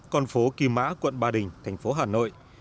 con phố kim mã quận ba đình thành phố hà nội